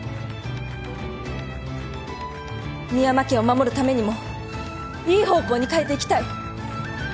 深山家を守るためにもいい方向に変えていきたい。